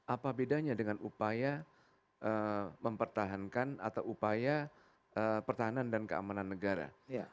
apa bedanya dengan upaya mempertahankan atau upaya pertahanan dan keamanan negara